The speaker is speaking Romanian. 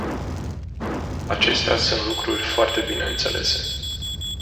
Acestea sunt lucruri foarte bine înțelese.